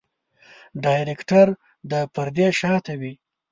ډايرکټر د پردې شاته وي.